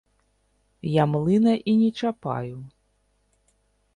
Я млына і не чапаю.